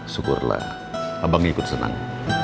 syukurlah abang ikut senang